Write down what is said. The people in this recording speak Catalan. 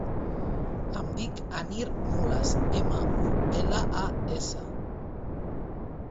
Em dic Anir Mulas: ema, u, ela, a, essa.